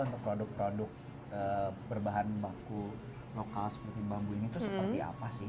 untuk produk produk berbahan baku lokal seperti bambu ini tuh seperti apa sih